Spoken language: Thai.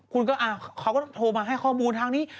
คุณก็เขาก็โทรมาให้ข้อมูลทางนี้